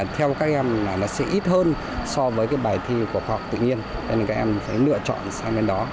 theo các em là nó sẽ ít hơn so với cái bài thi của khoa học tự nhiên cho nên các em sẽ lựa chọn sang bên đó